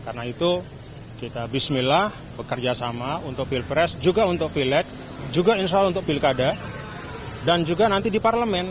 karena itu kita bismillah bekerjasama untuk pilpres juga untuk pilet juga insya allah untuk pilkada dan juga nanti di parlemen